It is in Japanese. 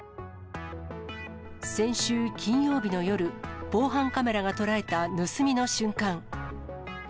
先週金曜日の夜、防犯カメラが捉えた盗みの瞬間。